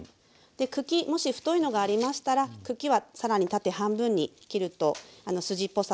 茎もし太いのがありましたら茎は更に縦半分に切ると筋っぽさもなくて食べやすくなります。